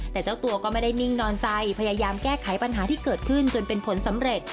แต่เจ้าตัวก็ไม่ได้นิ่งนอนใจพยายามแก้ไขปัญหาที่เกิดขึ้นจนเป็นผลสำเร็จ